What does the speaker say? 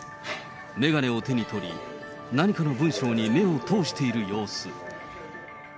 眼鏡を手に取り、何かの文章に目を通している様子。